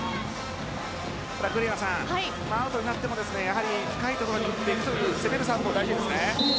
栗原さん、アウトになっても深いところまで打っていく攻めるサーブが大事ですね。